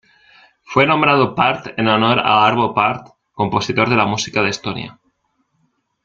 Fue nombrado Pärt en honor a Arvo Pärt, compositor de la música de Estonia.